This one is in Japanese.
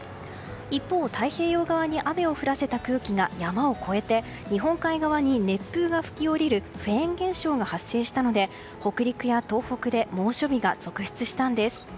一方、太平洋側に雨を降らせた空気が山を越えて日本海側に熱風が吹き下りるフェーン現象が発生したので北陸や東北で猛暑日が続出したんです。